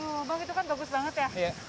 aduh bang itu kan bagus banget ya